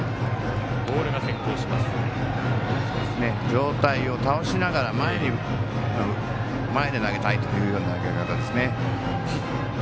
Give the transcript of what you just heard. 上体を倒しながら前で投げたいという投げ方です。